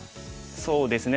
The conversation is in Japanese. そうですね